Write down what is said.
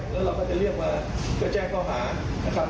แล้วเราก็จะเรียกมาเพื่อแจ้งข้อหานะครับ